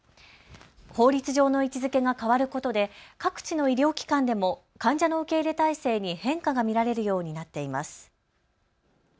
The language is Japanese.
法律上の位置づけが変わることで各地の医療機関でも患者の受け入れ体制に変化が見られるようになっています。